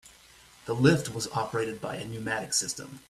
The lift was operated by a pneumatic system.